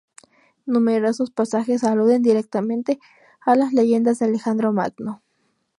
Numerosos pasajes aluden directamente a las leyendas de Alejandro Magno.